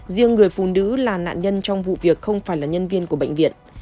riêng người phụ nữ là nạn nhân trong vụ việc không phải là nhân viên của bệnh viện